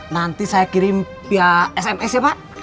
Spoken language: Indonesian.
nanti saya kirim pihak sms ya pak